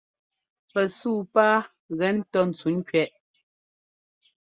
Pɛ suu pá gɛ ńtɔ́ ntsuŋkẅɛʼ.